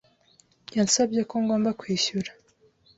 Yansabye ko ngomba kwishyura.